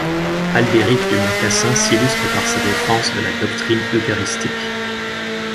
Albéric du Mont-Cassin s'illustre par sa défense de la doctrine eucharistique.